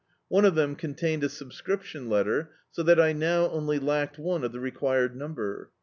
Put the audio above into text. One of them contained a subscription letter, so that I now only lacked one of the required number.